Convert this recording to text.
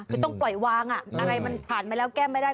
คือต้องปล่อยวางอะไรมันผ่านมาแล้วแก้ไม่ได้